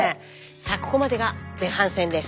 さあここまでが前半戦です。